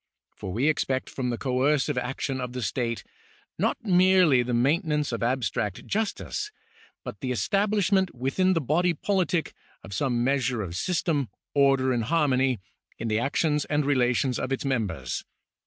For we expect from the coercive action of the state not merely the maintenance of abstract justice, but the establishment within the body politic of some measure of system, order, and harmony, in the actions and relations of its members.